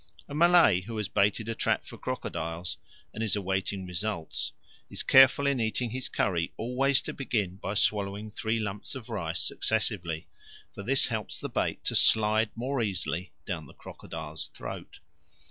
A Malay who has baited a trap for crocodiles, and is awaiting results, is careful in eating his curry always to begin by swallowing three lumps of rice successively; for this helps the bait to slide more easily down the crocodile's throat.